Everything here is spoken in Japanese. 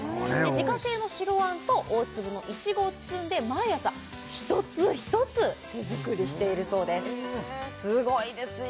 自家製の白あんと大粒のいちごを包んで毎朝一つ一つ手作りしているそうですすごいですよ